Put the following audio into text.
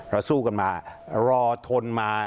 สู้กันมารอทนมา